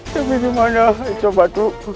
tapi dimana itu batu